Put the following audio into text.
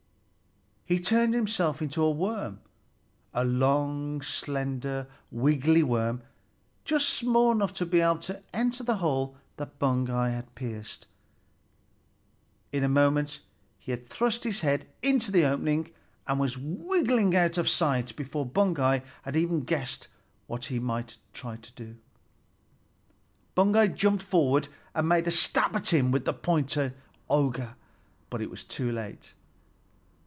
He turned himself into a worm, a long, slender, wiggly worm, just small enough to be able to enter the hole that Baugi had pierced. In a moment he had thrust his head into the opening, and was wriggling out of sight before Baugi had even guessed what he meant to do. Baugi jumped forward and made a stab at him with the pointed auger, but it was too late.